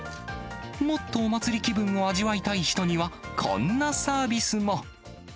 もっとお祭り気分を味わいたい人には、こんなサービスも。